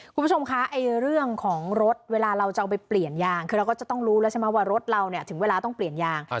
คุณผู้ชมคะเรื่องของรถเวลาเราจะเอาไปเปลี่ยนยางคือเราก็จะต้องรู้แล้วใช่ไหมว่ารถเราเนี่ยถึงเวลาต้องเปลี่ยนยาง